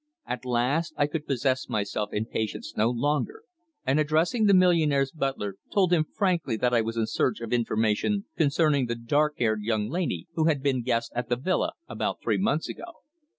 At last I could possess myself in patience no longer, and addressing the millionaire's butler, told him frankly that I was in search of information concerning the dark haired young lady who had been guest up at the villa about three months ago.